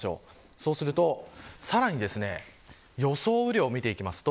そうするとさらに予想雨量を見ていくと